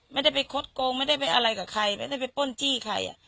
ไม่ได้ไปคดโกงไม่ได้ไปอะไรกับใครไม่ได้ไปป้นจี้ใคร